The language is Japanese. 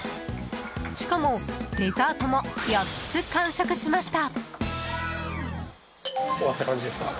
しかも、デザートも４つ完食しました。